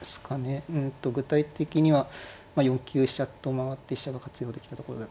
えと具体的には４九飛車と回って飛車が活用できたところだと思います。